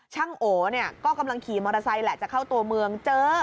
โอเนี่ยก็กำลังขี่มอเตอร์ไซค์แหละจะเข้าตัวเมืองเจอ